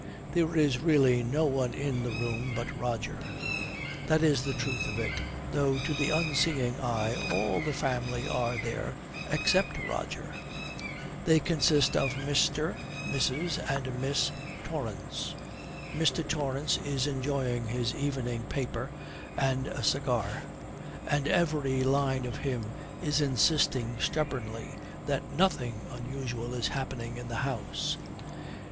There is really no one in the room but Roger. That is the truth of it, though to the unseeing eye all the family are there except Roger. They consist of Mr., Mrs., and Miss Torrance. Mr. Torrance is enjoying his evening paper and a cigar, and every line of him is insisting stubbornly that nothing unusual is happening in the house.